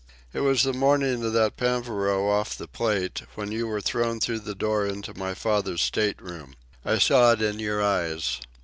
It was the morning of that pampero off the Plate, when you were thrown through the door into my father's stateroom. I saw it in your eyes.